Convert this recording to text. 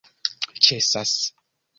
ĉesas